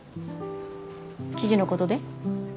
記事のことで？